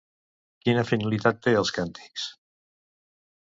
Quina finalitat té els càntics?